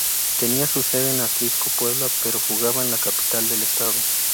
Tenía su sede en Atlixco, Puebla, pero jugaba en la capital del estado.